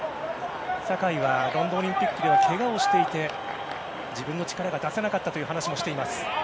酒井はロンドンオリンピックではけがをしていて自分の力を出せなかったという話もしています。